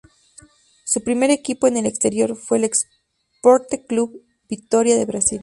Su primer equipo en el exterior fue el Esporte Clube Vitória de Brasil.